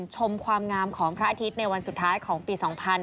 ชมความงามของพระอาทิตย์ในวันสุดท้ายของปี๒๕๕๙